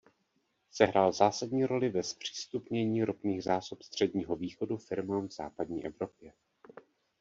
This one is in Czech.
Sehrál zásadní roli ve zpřístupnění ropných zásob Středního Východu firmám v západní Evropě.